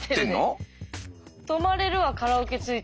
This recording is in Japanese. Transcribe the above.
泊まれるわカラオケついてるわで。